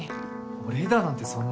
お礼だなんてそんな。